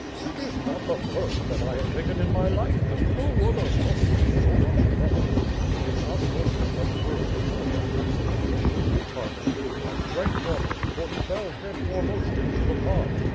"It is not the first that I have taken in my life, but no other cost me so much trouble." "He is not wounded, but bruised," answered Azulevich, a Tartar, ... "and drank water; for he fell head foremost into the pond."